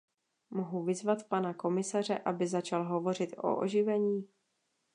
Mohu vyzvat pana komisaře, aby začal hovořit o oživení?